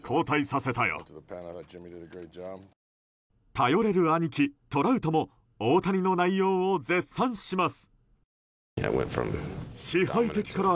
頼れる兄貴、トラウトも大谷の内容を絶賛します。